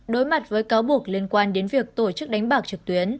đối mặt với cáo buộc liên quan đến việc tổ chức đánh bạc trực tuyến